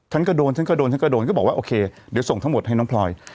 ฉันก็โดนฉันก็โดนฉันก็โดนก็บอกว่าโอเคเดี๋ยวส่งทั้งหมดให้น้องพลอย